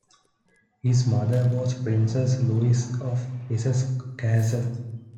His mother was Princess Louise of Hesse-Kassel.